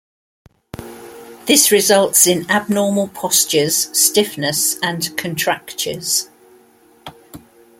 This results in abnormal postures, stiffness and contractures.